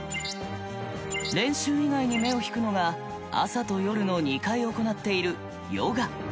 練習以外に目を引くのが朝と夜の２回行っているヨガ。